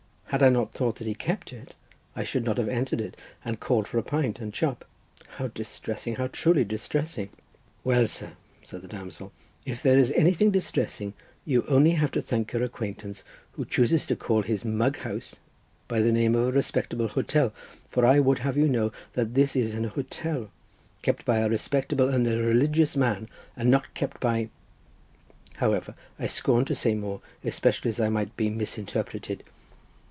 Had I not thought that he kept it, I should not have entered it and called for a pint and chop. How distressing! how truly distressing!" "Well, sir," said the damsel, "if there is anything distressing you have only to thank your acquaintance who chooses to call his mughouse by the name of a respectable hotel, for I would have you know that this is an hotel, and kept by a respectable and religious man, and not kept by—. However, I scorn to say more, especially as I might be misinterpreted.